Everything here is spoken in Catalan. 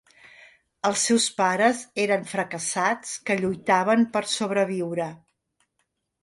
Els seus pares eren fracassats que lluitaven per sobreviure.